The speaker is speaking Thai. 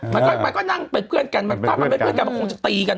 มันก็นั่งเป็นเพื่อนกันถ้ามันเป็นเพื่อนกันมันคงจะตีกัน